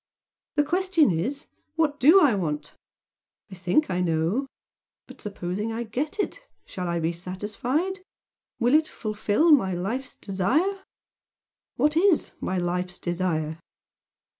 The question is, what DO I want? I think I know but supposing I get it, shall I be satisfied? Will it fulfil my life's desire? What IS my life's desire?"